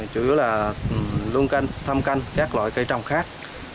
chủ yếu là luôn thăm canh các loại cây trồng khác